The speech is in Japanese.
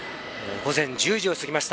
午前１０時を過ぎました。